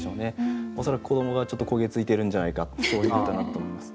恐らく子どもがちょっと焦げついてるんじゃないかってそういう歌になると思います。